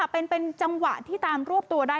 เป็นจังหวะที่ตามรวบตัวได้